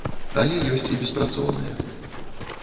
Але ёсць і беспрацоўныя.